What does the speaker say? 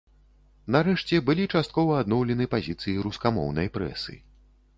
Нарэшце, былі часткова адноўлены пазіцыі рускамоўнай прэсы.